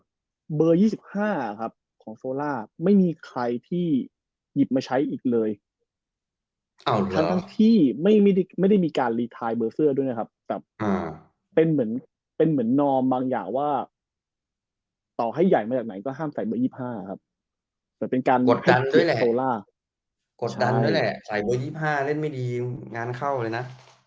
เบอร์ยี่สิบห้าอะครับของโซล่าไม่มีใครที่หยิบมาใช้อีกเลยอ๋อเหรอทั้งที่ไม่มีไม่ได้มีการเสื้อด้วยนะครับอ่าเป็นเหมือนเป็นเหมือนนอร์มบางอย่างว่าต่อให้ใหญ่มาจากไหนก็ห้ามใส่เบอร์ยี่สิบห้าอะครับเหมือนเป็นการกดดันด้วยแหละโซล่ากดดันด้วยแหละใส่เบอร์ยี่สิบห้าเล่นไม่ดีงานเข้า